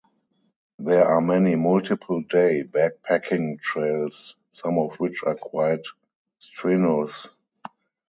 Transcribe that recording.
There are many multiple-day backpacking trails, some of which are quite strenuous.